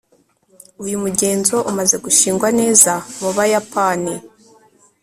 uyu mugenzo umaze gushingwa neza mubayapani